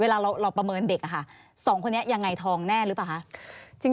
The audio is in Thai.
เวลาเราประเมินเด็ก๒คนนี้ยังไงทองแน่หรือเปล่าคะ